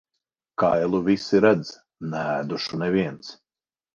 Kailu visi redz, neēdušu neviens.